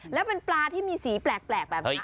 แล้วเป็นปลาที่มีสีแปลกแบบนี้